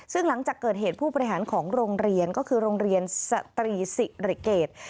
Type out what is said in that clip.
ซึ่งหลังจากเกิดเหตุผู้บริหารของโรงเรียนก็คือโรงเรียนสตรีศิริเกต